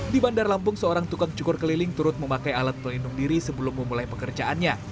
di bandar lampung seorang tukang cukur keliling turut memakai alat pelindung diri sebelum memulai pekerjaannya